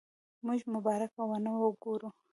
موږ مبارکه ونه وګورو.